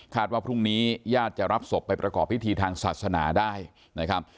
ว่าพรุ่งนี้ญาติจะรับศพไปประกอบพิธีทางศาสนาได้นะครับ